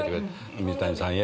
「水谷さんへ」